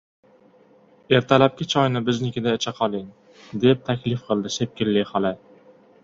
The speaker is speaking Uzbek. — Ertalab choyni biznikida icha qoling, — deb taklif qildi Sepkilli xola.